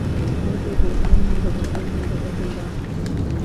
د ودې هورمون د بدن د ودې لامل ګرځي.